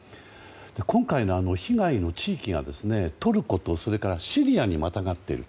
今回の被害の地域がトルコとシリアにまたがっていると。